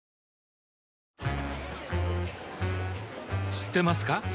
知ってますか？